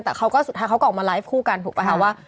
แต่เขาก็สุดท้ายเขาก็ออกมาไลฟ์คู่กันถูกป่ะคะว่า